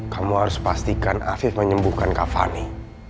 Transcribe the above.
kamu harus pastikan afif menyembuhkan kak fani